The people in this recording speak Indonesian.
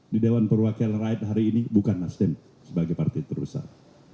di dewan perwakilan rakyat hari ini bukan nasdem sebagai partai terbesar